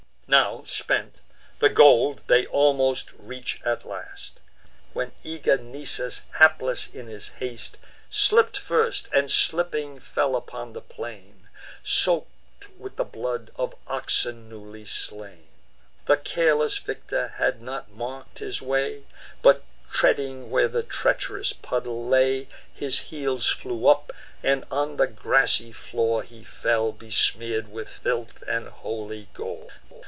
Now, spent, the goal they almost reach at last, When eager Nisus, hapless in his haste, Slipp'd first, and, slipping, fell upon the plain, Soak'd with the blood of oxen newly slain. The careless victor had not mark'd his way; But, treading where the treach'rous puddle lay, His heels flew up; and on the grassy floor He fell, besmear'd with filth and holy gore.